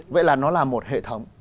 vậy là nó là một hệ thống